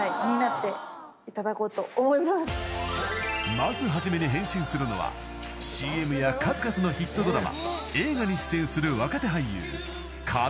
［まず初めに変身するのはＣＭや数々のヒットドラマ映画に出演する］